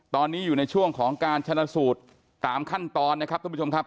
ตอนนี้อยู่ในช่วงของการชนะสูตรตามขั้นตอนนะครับท่านผู้ชมครับ